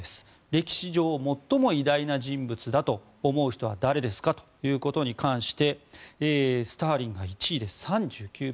歴史上、最も偉大な人物だと思う人は誰ですかということに関してスターリンが１位で３９％。